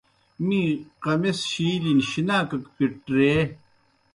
می قمِص شِیلِن شِناکَک پِٹریے۔